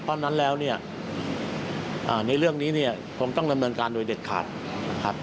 เพราะฉะนั้นแล้วเนี่ยในเรื่องนี้เนี่ยคงต้องดำเนินการโดยเด็ดขาดนะครับ